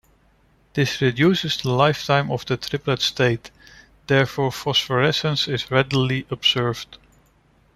This reduces the lifetime of the triplet state, therefore phosphorescence is readily observed.